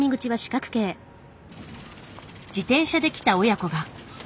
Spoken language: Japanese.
自転車で来た親子が。